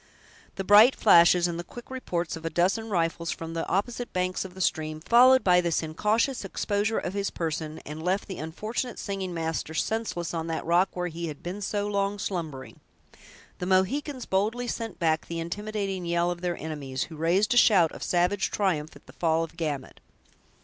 The bright flashes and the quick reports of a dozen rifles, from the opposite banks of the stream, followed this incautious exposure of his person, and left the unfortunate singing master senseless on that rock where he had been so long slumbering. The Mohicans boldly sent back the intimidating yell of their enemies, who raised a shout of savage triumph at the fall of Gamut.